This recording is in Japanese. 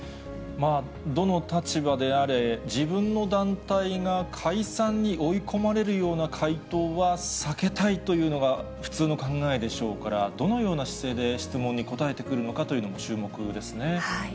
まあ、どの立場であれ、自分の団体が解散に追い込まれるような回答は避けたいというのが普通の考えでしょうから、どのような姿勢で質問に答えてくるのかというのも注目ですね。